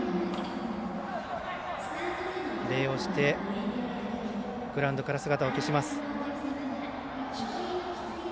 礼をして、グラウンドから姿を消します。